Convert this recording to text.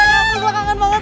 lila kangen banget